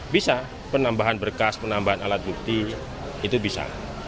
bisa penambahan berkas penambahan alat bukti itu bisa